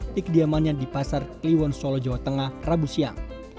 di kediamannya di pasar kliwon solo jawa tengah rabu siang